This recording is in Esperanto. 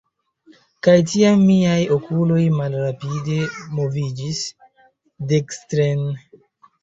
kaj tiam miaj okuloj malrapide moviĝis dekstren